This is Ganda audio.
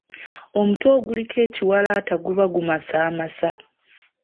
Omutwe oguliko ekiwalaata guba gumasaamasa.